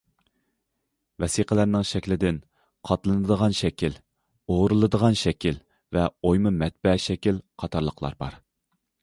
ۋەسىقىلەرنىڭ شەكلىدىن قاتلىنىدىغان شەكىل، ئورىلىدىغان شەكىل ۋە ئويما مەتبەئە شەكىل قاتارلىقلار بار.